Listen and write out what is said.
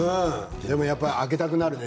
でもやっぱり開けたくなるね